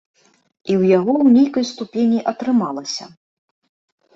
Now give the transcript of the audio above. І ў яго, у нейкай ступені, атрымалася.